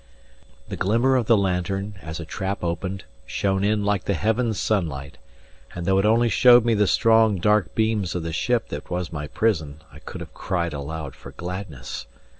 The glimmer of the lantern, as a trap opened, shone in like the heaven's sunlight; and though it only showed me the strong, dark beams of the ship that was my prison, I could have cried aloud for gladness.